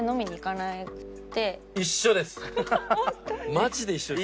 マジで一緒です。